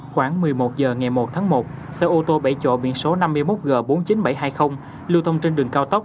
khoảng một mươi một h ngày một tháng một xe ô tô bảy chỗ biển số năm mươi một g bốn mươi chín nghìn bảy trăm hai mươi lưu thông trên đường cao tốc